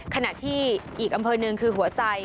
ขณะที่อีกอำเภอหนึ่งคือหัวไส